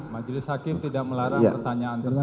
majelis hakim tidak melarang pertanyaan tersebut